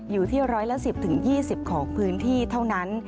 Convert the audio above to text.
อยู่ที่ร้อยละ๑๐๒๐ของพื้นที่เท่านั้น